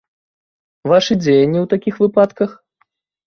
Вашы дзеянні ў такіх выпадках?